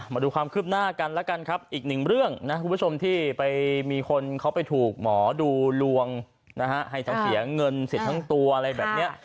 มาดูความคืบหน้ากันแล้วกันครับอีกหนึ่งเรื่องนะคุณผู้ชมที่ไปมีคนเขาไปถูกหมอดูลวงนะฮะให้ทั้งเสียเงินสิทธิ์ทั้งตัวอะไรแบบนี้